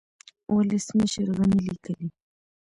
ولسمشر غني ليکلي